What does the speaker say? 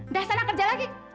udah sana kerja lagi